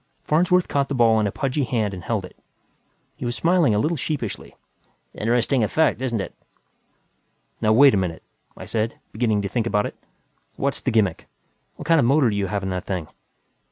Farnsworth caught the ball in a pudgy hand and held it. He was smiling a little sheepishly. "Interesting effect, isn't it?" "Now wait a minute," I said, beginning to think about it. "What's the gimmick? What kind of motor do you have in that thing?"